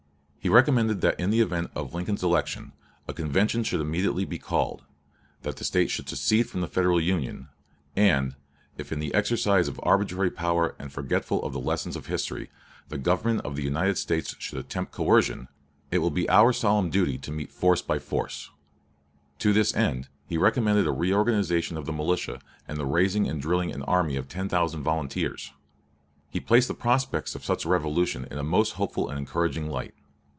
He recommended that in the event of Lincoln's election, a convention should be immediately called; that the State should secede from the Federal Union; and "if in the exercise of arbitrary power and forgetful of the lessons of history, the Government of the United States should attempt coercion, it will be our solemn duty to meet force by force." To this end he recommended a reorganization of the militia and the raising and drilling an army of ten thousand volunteers. He placed the prospects of such a revolution in a most hopeful and encouraging light.